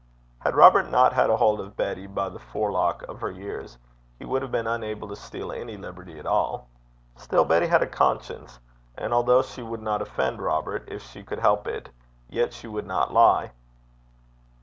Had Robert not had a hold of Betty by the forelock of her years, he would have been unable to steal any liberty at all. Still Betty had a conscience, and although she would not offend Robert if she could help it, yet she would not lie.